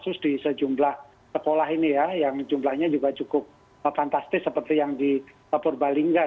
kasus di sejumlah sekolah ini ya yang jumlahnya juga cukup fantastis seperti yang di purbalingga